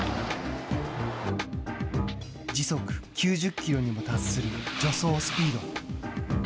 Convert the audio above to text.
時速９０キロにも達する助走スピード。